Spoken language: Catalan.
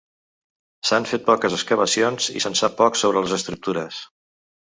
S'han fet poques excavacions i se'n sap poc sobre les estructures.